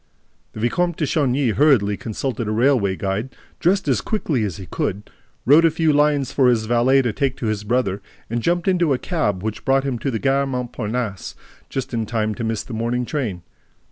The Vicomte de Chagny hurriedly consulted a railway guide, dressed as quickly as he could, wrote a few lines for his valet to take to his brother and jumped into a cab which brought him to the Gare Montparnasse just in time to miss the morning train.